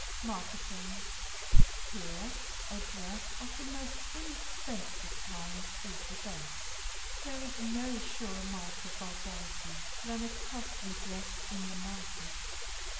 MARKETING Here a dress of the most inexpensive kind is the best. There is no surer mark of vulgarity, than a costly dress in the market.